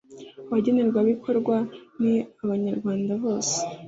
Abagenerwabikorwa ni Abanyarwanda bose